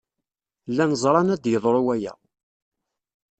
Llan ẓran ad yeḍru waya.